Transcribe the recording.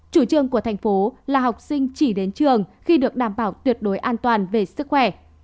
chủ trương của thành phố là học sinh chỉ đến trường khi được đảm bảo tuyệt đối an toàn về sức khỏe